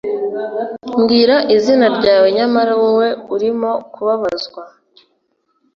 Mbwira izina ryawe nyamara wowe urimo kubabazwa